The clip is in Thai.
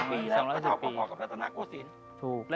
วัดสุทัศน์นี้จริงแล้วอยู่มากี่ปีตั้งแต่สมัยราชการไหนหรือยังไงครับ